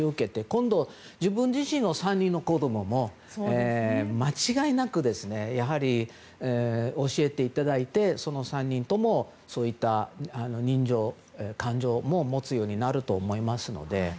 今度は、自分自身の３人の子供も間違いなく教えていただいてその３人ともそういった感情も持つようになると思いますので。